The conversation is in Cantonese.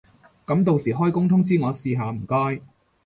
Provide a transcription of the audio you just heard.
噉到時開工通知我試下唔該